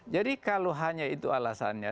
jadi kalau hanya itu alasannya